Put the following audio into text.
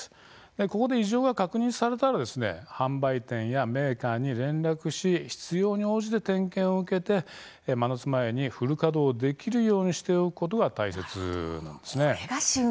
ここで異常が確認されたら販売店やメーカーに連絡をして必要に応じて点検を受けて真夏前にフル稼働できるようにしておくことが大切です。